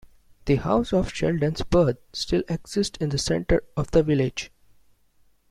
The house of Sheldon's birth still exists in the centre of the village.